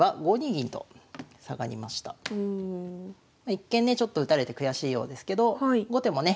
一見ねちょっと打たれて悔しいようですけど後手もね